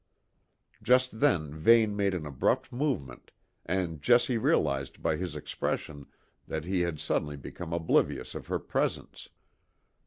Just then Vane made an abrupt movement, and Jessie realised by his expression that he had suddenly become oblivious of her presence.